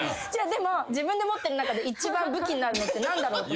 でも自分が持ってる中で一番武器になるのは何だろうと。